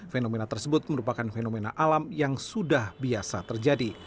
fenomena tersebut merupakan fenomena alam yang sudah biasa terjadi